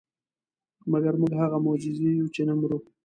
مګر موږ هغه معجزې یو چې نه مرو.